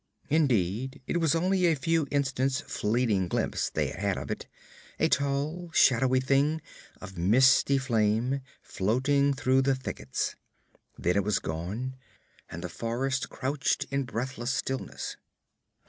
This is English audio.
Indeed it was only a few instants' fleeting glimpse they had of it a tall, shadowy thing of misty flame floating through the thickets. Then it was gone, and the forest crouched in breathless stillness.